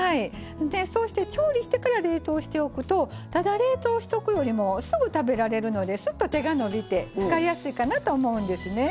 そうして調理してから冷凍しておくとただ冷凍しとくよりもすぐ食べられるのですっと手が伸びて使いやすいかなと思うんですね。